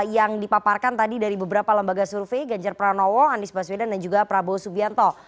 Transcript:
yang dipaparkan tadi dari beberapa lembaga survei ganjar pranowo anies baswedan dan juga prabowo subianto